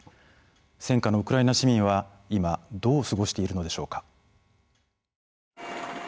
戦禍のウクライナ市民は今どう過ごしているのでしょうか。